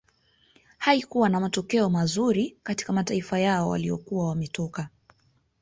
Haikuwa na matokeo mazuri katika mataifa yao waliyokuwa wanatoka